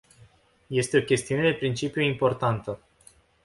Este o chestiune de principiu importantă.